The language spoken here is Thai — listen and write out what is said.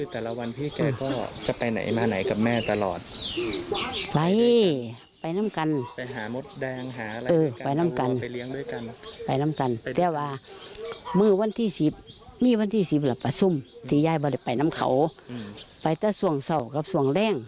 ถ้าผลมันออกมาสามารถยังไม่มีหลักฐานอะไรเลยที่จะมาบอกว่าลูกแม่ผิดจริงแม่ก็พร้อมจะยอมรับ